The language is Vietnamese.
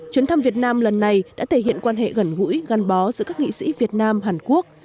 chuyến thăm việt nam lần này đã thể hiện quan hệ gần gũi gắn bó giữa các nghị sĩ việt nam hàn quốc